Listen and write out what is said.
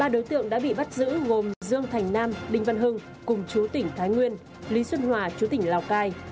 ba đối tượng đã bị bắt giữ gồm dương thành nam đinh văn hưng cùng chú tỉnh thái nguyên lý xuân hòa chú tỉnh lào cai